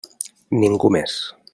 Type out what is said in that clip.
Ningú més.